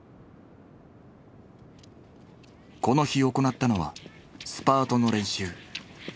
この日行ったのはスパートの練習。